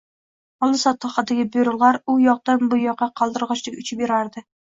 Oldi-sotdi haqidagi buyruqlar u yoqdanbu yoqqa qaldirg`ochdek uchib yurardi